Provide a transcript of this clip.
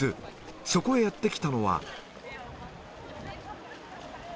そこへやって来たのは。